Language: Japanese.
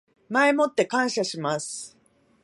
前もって感謝します